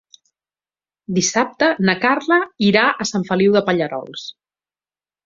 Dissabte na Carla irà a Sant Feliu de Pallerols.